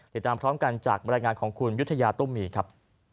ติดตามพร้อมกันจากบรรยายงานของคุณยุธยาตุ้มมีครับ